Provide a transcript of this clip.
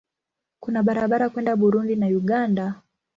Kuna barabara kwenda Burundi na Uganda.